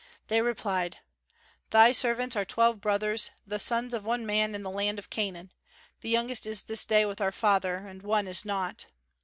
They replied, "Thy servants are twelve brothers, the sons of one man in the land of Canaan; the youngest is this day with our father, and one is not."